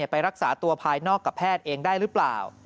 ไปรักษาตัวภายนอกกับแพทย์เองได้หรือเปล่า